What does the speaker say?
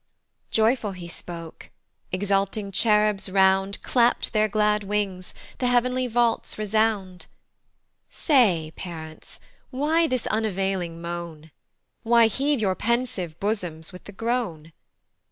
Joyful he spoke: exulting cherubs round Clapt their glad wings, the heav'nly vaults resound. Say, parents, why this unavailing moan? Why heave your pensive bosoms with the groan?